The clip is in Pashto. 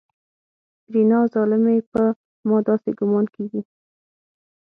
سېرېنا ظالمې په ما داسې ګومان کېږي.